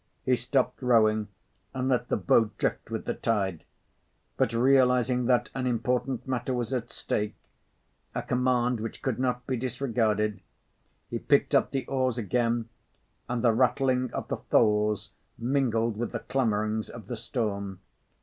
He stopped rowing and let the boat drift with the tide. But realising that an important matter was at stake, a command which could not be disregarded, he picked up the oars again; and the rattling of the tholes mingled with the clamourings of the storm.